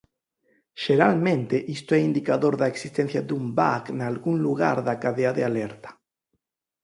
Xeralmente isto é indicador da existencia dun bug nalgún lugar da cadea de alerta.